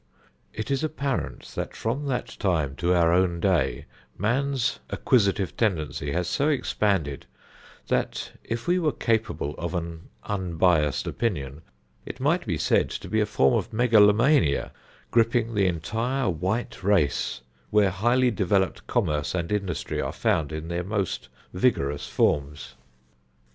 It is apparent that from that time to our own day, man's acquisitive tendency has so expanded, that if we were capable of an unbiased opinion it might be said to be a form of megalomania gripping the entire white race, where highly developed commerce and industry are found in their most vigorous forms.